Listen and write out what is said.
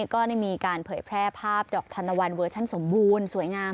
ก็ได้มีการเผยแพร่ภาพดอกธนวัลเวอร์ชันสมบูรณ์สวยงาม